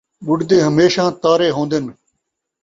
ٻُݙدے ہمیشاں تارے ہوندن